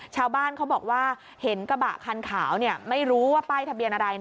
ชาวบ้านเขาบอกว่าเห็นกระบะคันขาวไม่รู้ว่าป้ายทะเบียนอะไร